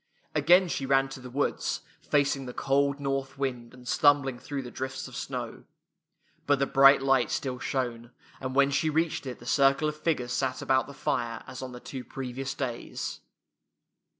Again she ran to the woods, facing the cold north wind and stumbling through the drifts of snow. But the bright light still shone, and when she reached it the circle of figures sat about the fire as on the two previ ous days.